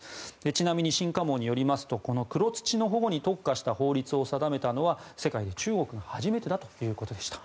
ちなみに新華網によりますとこの黒土の保護に特化した法律を定めたのは世界で中国が初めてだということでした。